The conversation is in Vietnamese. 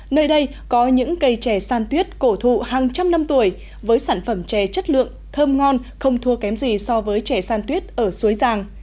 nơi đây có những cây trẻ san tuyết cổ thụ hàng trăm năm tuổi với sản phẩm chè chất lượng thơm ngon không thua kém gì so với trẻ san tuyết ở suối giàng